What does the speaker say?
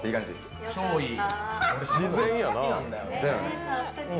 超いい。